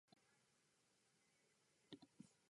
今にも自転車は倒れて、中庭の外に溢れてきそうだった